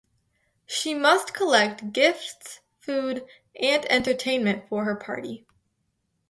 She must collect gifts, food, and entertainment for her party.